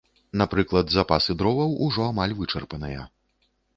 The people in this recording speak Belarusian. Напрыклад, запасы дроваў ужо амаль вычарпаныя.